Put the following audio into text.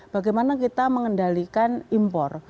bagaimana kita mengendalikan impor